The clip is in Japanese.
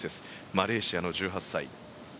マレーシアの１８歳。